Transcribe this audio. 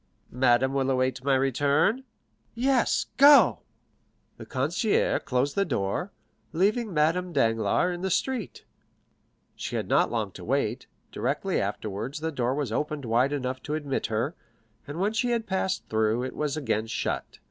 "Madame will await my return?" "Yes; go." The concierge closed the door, leaving Madame Danglars in the street. She had not long to wait; directly afterwards the door was opened wide enough to admit her, and when she had passed through, it was again shut.